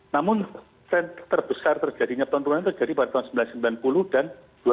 namun tren terbesar terjadinya penurunan terjadi pada tahun seribu sembilan ratus sembilan puluh dan dua ribu dua